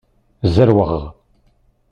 Zerweɣ.